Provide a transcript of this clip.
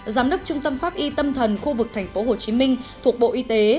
giám đốc trung tâm pháp y tâm thần khu vực tp hcm thuộc bộ y tế